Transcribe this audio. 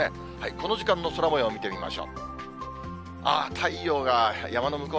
この時間の空もよう見てみましょう。